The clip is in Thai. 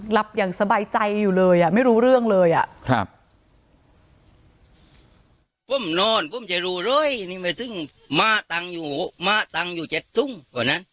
หลับอย่างสบายใจอยู่เลยอ่ะไม่รู้เรื่องเลยอ่ะครับ